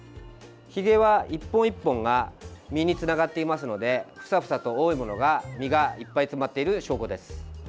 ひげは１本１本が実につながっていますのでふさふさと多いものが実がいっぱい詰まっている証拠です。